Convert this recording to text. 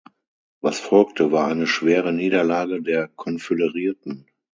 Was folgte, war eine schwere Niederlage der Konföderierten.